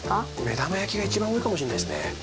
めだま焼きが一番多いかもしれないですね。